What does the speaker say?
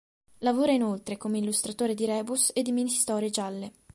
Lavora inoltre come illustratore di rebus e di mini-storie gialle.